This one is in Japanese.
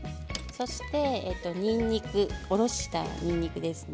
そして、おろしたにんにくですね。